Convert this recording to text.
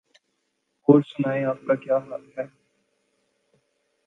اور سنائیں آپ کا کیا حال ہے؟